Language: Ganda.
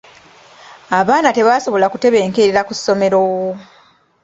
Abaana tebasobola kutebenkera ku ssomero.